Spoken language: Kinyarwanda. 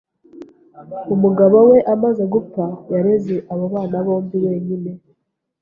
Umugabo we amaze gupfa, yareze abo bana bombi wenyine.